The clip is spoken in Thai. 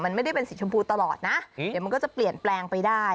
มันไม่ได้เป็นสีชมพูตลอดนะเดี๋ยวมันก็จะเปลี่ยนแปลงไปได้